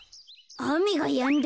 あめがやんだ。